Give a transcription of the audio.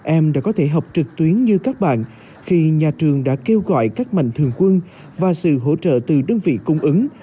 em đã có thể học trực tuyến như các bạn khi nhà trường đã kêu gọi các mạnh thường quân và sự hỗ trợ từ đơn vị cung ứng